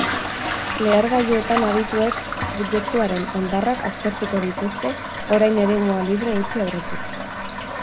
Lehergailuetan adituek objektuaren hondarrak aztertuko dituzte orain eremua libre utzi aurretik.